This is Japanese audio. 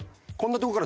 どこから？